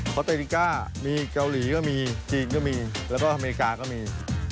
พอเตริก้ามีเกาหลีก็มีจีนก็มีแล้วก็อเมริกาก็มี